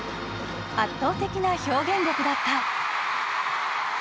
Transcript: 圧倒的な表現力だった。